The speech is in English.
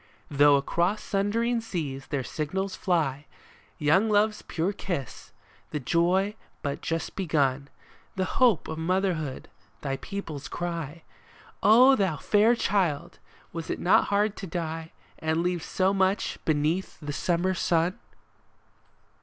Though across sundering seas their signals fly ; Young Love's pure kiss, the joy but just begun, The hope of motherhood, thy people's cry — O thou fair child ! was it not hard to die And leave so much beneath the summer sun